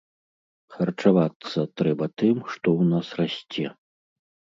Харчавацца трэба тым, што ў нас расце.